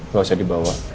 kalau tidak dibawa